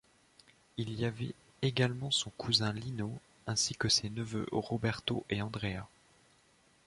Il y avait également son cousin Lino, ainsi que ses neuveux Roberto et Andrea.